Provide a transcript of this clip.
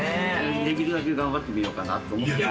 できるだけ頑張ってみようかなと思って。